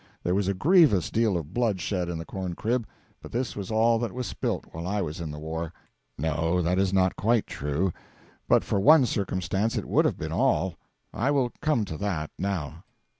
There was a grievous deal of blood shed in the corn crib, but this was all that was spilt while I was in the war. No, that is not quite true. But for one circumstance it would have been all. I will come to that now.